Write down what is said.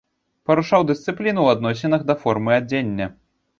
Парушаў дысцыпліну ў адносінах да формы адзення.